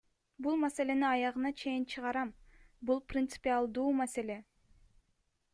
Бул маселени аягына чейин чыгарам, бул принципиалдуу маселе!